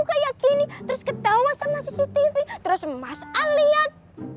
kayak gini terus ketawa sama cctv terus mas ali lihat